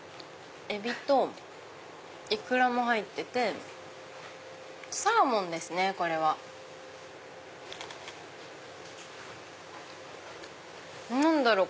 エビとイクラも入っててサーモンですねこれは。何だろう？